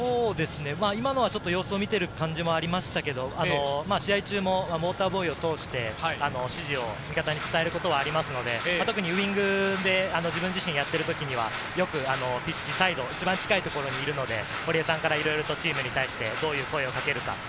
今のは様子を見ている感じもありましたけど、試合中もウオーターボーイを通して指示を味方に伝えることはありますので、特にウイングで自分自身やってる時には、よくピッチサイドの一番近いところにいるので、堀江さんからいろいろチームに対してどういう声をかけるか。